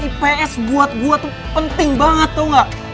kalian itu keluarga ips buat gue tuh penting banget tau gak